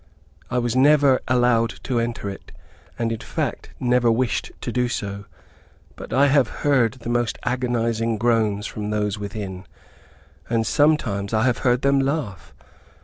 I was never allowed to enter it, and in fact never wished to do so, but I have heard the most agonizing groans from those within, and sometimes I have heard them laugh.